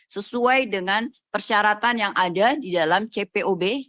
sesuai dengan persyaratan yang ada di dalam cpob